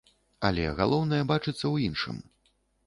Але галоўнае бачыцца ў іншым.